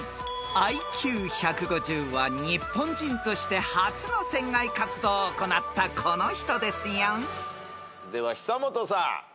［ＩＱ１５０は日本人として初の船外活動を行ったこの人ですよ］では久本さん。